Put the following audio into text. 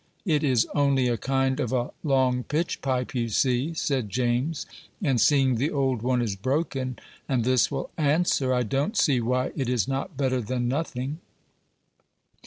It is only a kind of a long pitchpipe, you see," said James; "and, seeing the old one is broken, and this will answer, I don't see why it is not better than nothing."